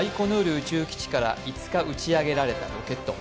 宇宙基地から打ち上げられたロケット。